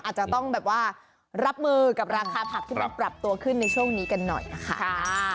อาจจะต้องแบบว่ารับมือกับราคาผักที่มันปรับตัวขึ้นในช่วงนี้กันหน่อยนะคะ